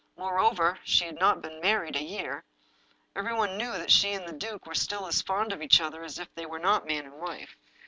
Moreover, she had not yet been married a year. Everyone knew that she and the duke were still as fond of each other as if they were not man and wife.